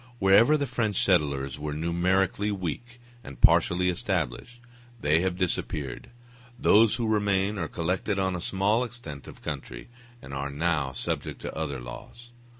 Wherever the French settlers were numerically weak and partially established, they have disappeared: those who remain are collected on a small extent of country, and are now subject to other laws.